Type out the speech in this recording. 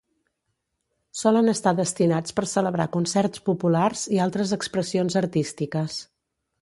Solen estar destinats per celebrar concerts populars i altres expressions artístiques.